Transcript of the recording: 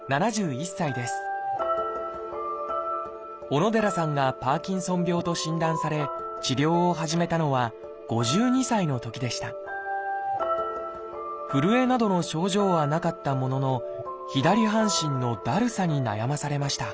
小野寺さんがパーキンソン病と診断され治療を始めたのは５２歳のときでしたふるえなどの症状はなかったものの左半身のだるさに悩まされました